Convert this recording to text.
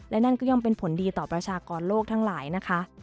และนั่นก็ย่อมเป็นผลดีต่อประชากรโลกทั้งหลายนะคะ